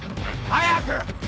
早く！